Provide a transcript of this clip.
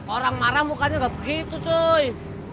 orang marah mukanya ga begitu soe